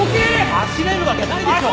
走れるわけないでしょ。